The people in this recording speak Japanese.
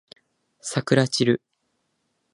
さくらちる